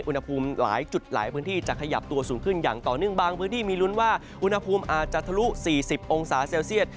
อุณหภูมิหลายจุดหลายพื้นที่จะขยับตัวสูงขึ้นอย่างต่อเนื่องบางพื้นที่มีลุ้นว่าอุณหภูมิอาจจะทะลุ๔๐องศาเซลเซียต